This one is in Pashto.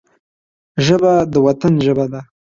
ژبه د وطن ژبه ده